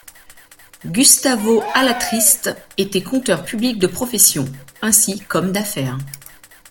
Gustavo Alatriste était conteur public de profession, ainsi qu'homme d'affaires.